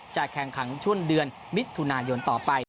จะแข่งขันช่วงเดือนมิถุนายนต่อไป